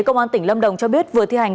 công an tỉnh lâm đồng cho biết vừa thi hành